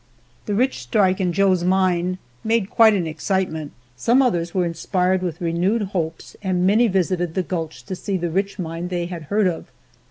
The rich strike in Joe's mine made quite an excitement. Some others were inspired with renewed hopes and many visited the gulch to see the rich mine they had heard of.